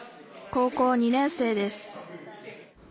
高校２年生です